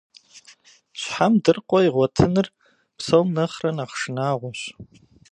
Щхьэм дыркъуэ игъуэтыныр псом нэхърэ нэхъ шынагъуэщ.